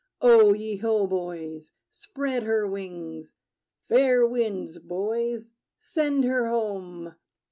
O ye ho, boys! Spread her wings! Fair winds, boys: send her home!